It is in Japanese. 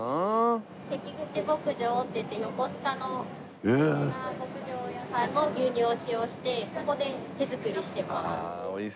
関口牧場っていって横須賀の有名な牧場さんの牛乳を使用してここで手作りしています。